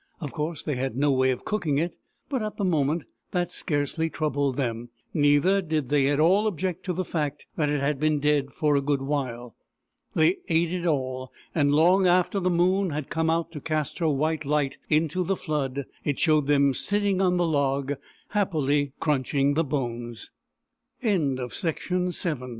Of course they had no way of cooking it, but at the moment that scarcely troubled them ; neither did they at all object to the fact that it had been dead for a good while. They ate it all, and long after the moon had come out to cast her white light into the flood it showed them sitting on the log, happily cru